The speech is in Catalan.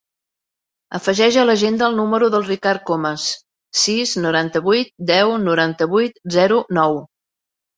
Afegeix a l'agenda el número del Ricard Comas: sis, noranta-vuit, deu, noranta-vuit, zero, nou.